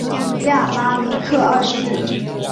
亚拉里克二世。